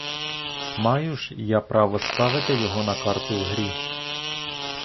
Маю ж я право ставити його на карту в грі?